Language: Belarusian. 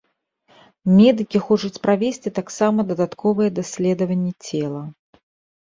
Медыкі хочуць правесці таксама дадатковыя даследаванні цела.